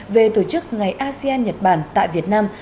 về tổ chức ngày asean nhật bản tại việt nam